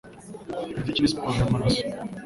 Politiki ni siporo yamaraso.